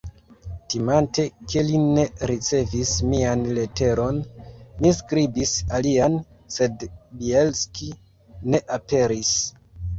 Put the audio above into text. Timante, ke li ne ricevis mian leteron, mi skribis alian, sed Bjelski ne aperis.